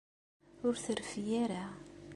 Ur terfi ara.